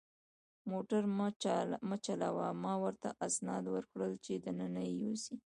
موټر ما چلاوه، ما ورته اسناد ورکړل چې دننه یې یوسي.